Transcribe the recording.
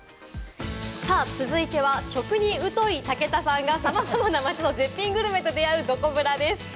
続いては食に疎い武田さんがさまざまな街の絶品グルメと出会う、どこブラです。